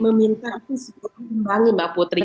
meminta aku sebutkan kembali mbak putri